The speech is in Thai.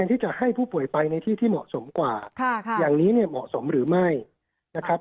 ที่จะให้ผู้ป่วยไปในที่ที่เหมาะสมกว่าอย่างนี้เนี่ยเหมาะสมหรือไม่นะครับ